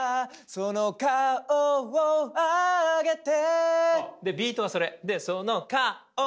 「その顔をあげて」